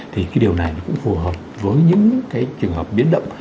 thì cái điều này nó cũng phù hợp với những cái trường hợp biến động